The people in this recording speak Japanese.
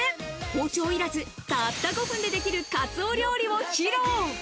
包丁いらず、たった５分でできるカツオ料理を披露。